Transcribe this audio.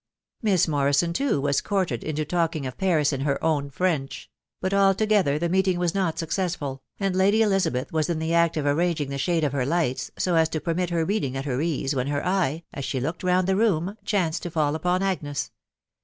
Miss Morrison, too, was courted into talking of Paris in her own French ; but altogether the meeting was not successful, and Lady Elizabeth was in the act of arranging the shade of her lights, so as to permit her reading at her ease, when her eye, as she looked round the room, chanced to fall upon Agnes.